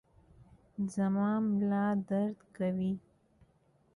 زما ملا درد کوي